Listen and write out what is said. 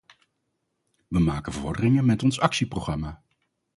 We maken vorderingen met ons actieprogramma.